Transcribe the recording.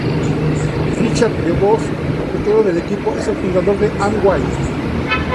Richard DeVos, propietario del equipo, es el fundador de Amway.